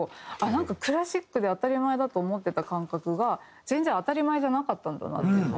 なんかクラシックで当たり前だと思ってた感覚が全然当たり前じゃなかったんだなっていうのを感じて。